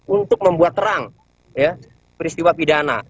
untuk membuat terang peristiwa pidana